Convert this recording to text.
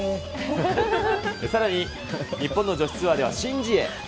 さらに日本の女子ツアーでは申ジエ。